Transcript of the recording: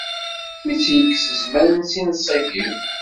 Mi tt-yekkes zzman si nṣib-iw.